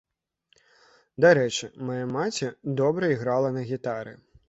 Дарэчы, мая маці добра іграла на гітары.